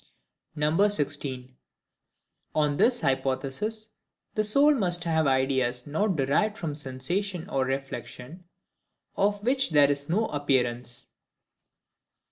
16. On this Hypothesis, the Soul must have Ideas not derived from Sensation or Reflection, of which there is no Appearance.